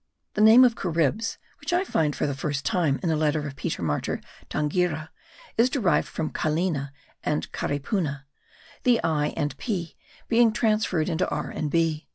The name of Caribs, which I find for the first time in a letter of Peter Martyr d'Anghiera is derived from Calina and Caripuna, the l and p being transferred into r and b.